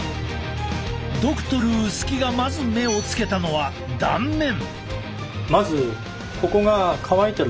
ドクトル薄木がまず目をつけたのは断面。